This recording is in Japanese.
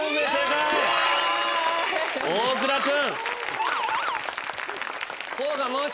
大倉君。